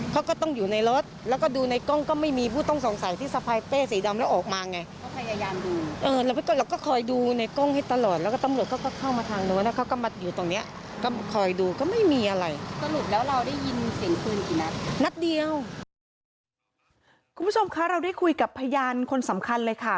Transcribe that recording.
คุณผู้ชมคะเราได้คุยกับพยานคนสำคัญเลยค่ะ